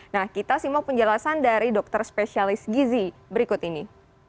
nah kita simak penjelasan dari dokter spesialis gizi berikut ini